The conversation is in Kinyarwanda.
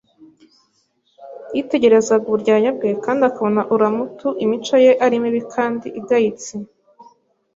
yitegerezaga uburyarya bwe kandi akabona ulamtu imico ye ari mibi kandi igayitse.